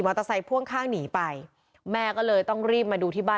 เตอร์ไซค่วงข้างหนีไปแม่ก็เลยต้องรีบมาดูที่บ้าน